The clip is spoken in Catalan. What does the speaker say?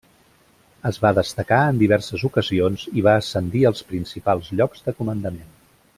Es va destacar en diverses ocasions i va ascendir als principals llocs de comandament.